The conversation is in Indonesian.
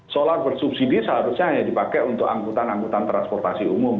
solar bersubsidi seharusnya hanya dipakai untuk angkutan angkutan transportasi umum